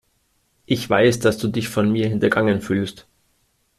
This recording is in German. Ich weiß, dass du dich von mir hintergangen fühlst.